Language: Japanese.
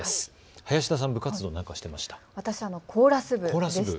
林田さん、部活動何かしていましたか。